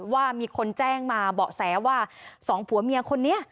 ว่ามีคนแจ้งมาเบาะแสว่าสองผัวเมียคนนี้